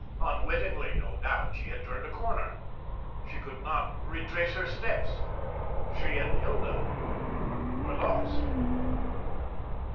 Unwittingly, no doubt, she had turned a corner. She could not retrace her steps. She and Hilda were lost.